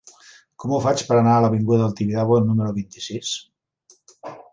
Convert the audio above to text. Com ho faig per anar a l'avinguda del Tibidabo número vint-i-sis?